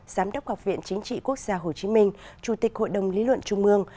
giám đốc học viện chính trị quốc gia hồ chí minh chủ tịch hội đồng lý luận trung mương